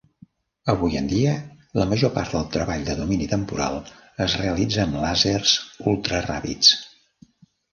Avui en dia, la major part del treball de domini temporal es realitza amb làsers ultra ràpids.